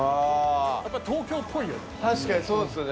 やっぱ東京っぽいよね。